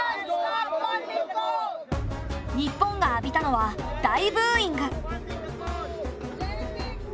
日本が浴びたのは大ブーイング！